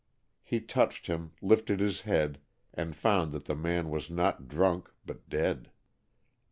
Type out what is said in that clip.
He touched him, lifted his head, and found that the man was not drunk but dead.